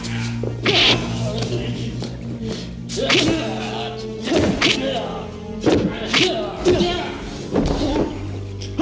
aku lagi mencari pria sakit